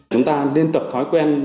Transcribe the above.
chúng ta nên tập thói quen